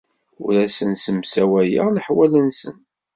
Ur asen-ssemsawayeɣ leḥwal-nsen.